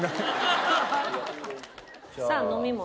さあ飲み物。